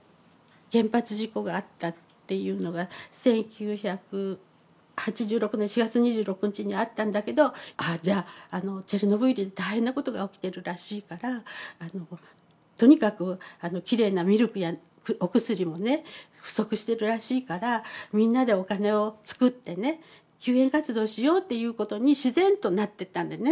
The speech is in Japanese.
原発事故があったっていうのが１９８６年４月２６日にあったんだけどああじゃあチェルノブイリで大変なことが起きてるらしいからとにかくきれいなミルクやお薬もね不足してるらしいからみんなでお金をつくってね救援活動しようっていうことに自然となってったんでね